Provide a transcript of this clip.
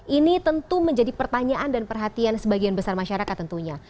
ini tentu menjadi pertanyaan dan perhatian sebagian besar masyarakat tentunya